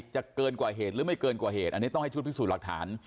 เกินกว่าเหตุหรือไม่เกินกว่าเหตุอันนี้ต้องให้ชุดพิสูจน์หลักฐาน